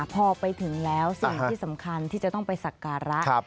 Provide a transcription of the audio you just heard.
พอไปถึงแล้วสิ่งที่สำคัญที่จะต้องไปสักการะ